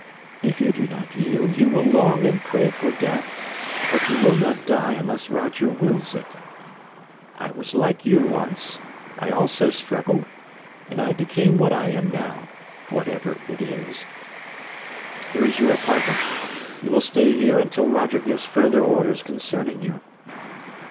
"If you do not yield, you will long and pray for death, but you will not die unless Roger wills it. I was like you once. I also struggled, and I became what I am now whatever it is. Here is your apartment. You will stay here until Roger gives further orders concerning you."